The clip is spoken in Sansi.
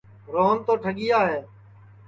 روہن تو ٹھگِیا ہے